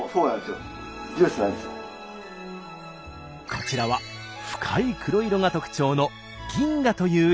こちらは深い黒色が特徴の銀河という品種。